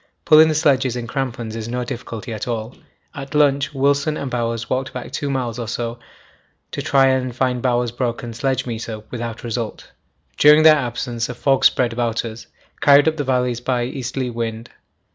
Pulling the sledges in crampons is no difficulty at all. At lunch Wilson and Bowers walked back 2 miles or so to try and find Bowers' broken sledgemeter, without result. During their absence a fog spread about us, carried up the valleys by easterly wind.